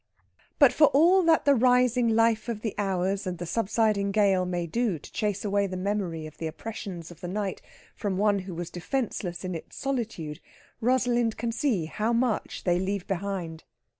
But for all that the rising life of the hours and the subsiding gale may do to chase away the memory of the oppressions of the night from one who was defenceless in its solitude, Rosalind can see how much they leave behind.